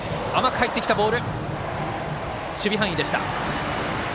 守備範囲でした。